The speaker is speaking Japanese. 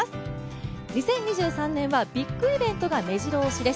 ２０２３年はビッグイベントがめじろ押しです。